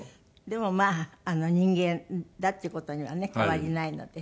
でもまあ人間だって事にはね変わりないので。